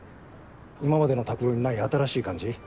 今までの拓郎にない新しい感じ。